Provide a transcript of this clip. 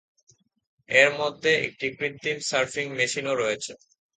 এর মধ্যে একটি কৃত্রিম সার্ফিং মেশিনও রয়েছে।